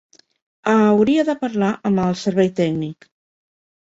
Hauria de parlar amb el servei tècnic.